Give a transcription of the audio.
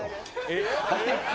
えっ？